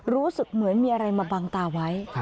รู้สึกเหมือนมีอะไรมาบังตาไว้